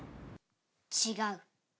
違う。